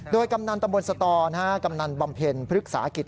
โดยกำนันตำบลสตออำเภอกำนันบำเพลินภฤษาอากิษฐ์